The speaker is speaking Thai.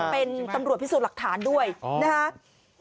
เป็นตำรวจพิสูจน์หลักฐานด้วยนะครับ